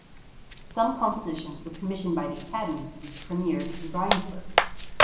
Some compositions were commissioned by the academy to be premiered in Rheinsberg.